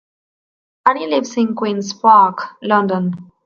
Annie lives in Queen's Park, London.